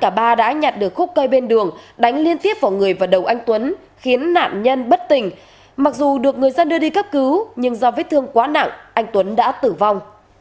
các bạn hãy đăng kí cho kênh lalaschool để không bỏ lỡ những video hấp dẫn